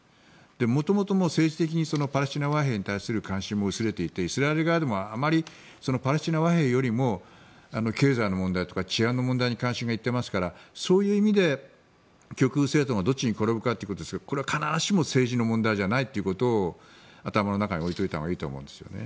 元々政治的にパレスチナ和平に対する関心も薄れていてイスラエル側でもあまりパレスチナ和平よりも経済の問題とか治安の問題に関心が行っていますからそういう意味で極右政党がどっちに転ぶかということですがこれは必ずしも政治の問題じゃないということを頭の中に置いておいたほうがいいと思うんですよね。